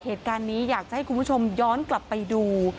เหตุการณ์นี้อยากจะให้คุณผู้ชมย้อนกลับไปดู